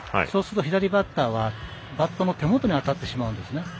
そうすると左バッターはバットの手元に当たってしまうんですね。